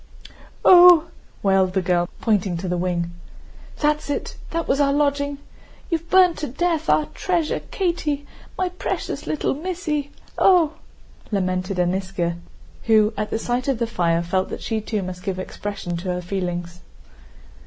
"Ooh!" wailed the girl, pointing to the wing. "That's it, that was our lodging. You've burned to death, our treasure, Katie, my precious little missy! Ooh!" lamented Aníska, who at the sight of the fire felt that she too must give expression to her feelings.